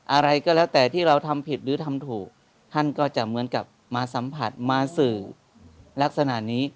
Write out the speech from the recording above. อะไรก็แล้วแต่ที่เราทำผิดหรือทำถูกท่านก็จะเหมือนกับมาสัมผัสมาสื่อลักษณะนี้